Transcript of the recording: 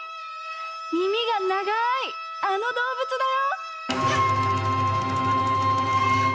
みみがながいあのどうぶつだよ！